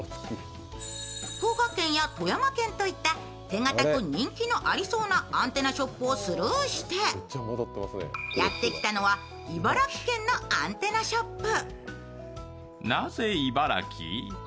福岡県や富山県といった手堅く人気のありそうなアンテナショップをスルーしてやってきたのは、茨城県のアンテナショップ。